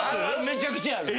めちゃくちゃある。